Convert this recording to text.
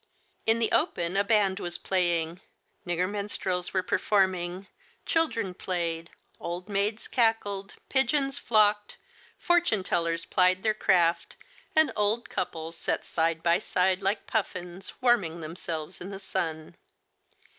In the open a band was playing, nigger min strels were performing, children played, old maids cackled, pigeons flocked, fortune tellers plied their craft, and old couples sat side by side like pufiins, warming themselves in the sun.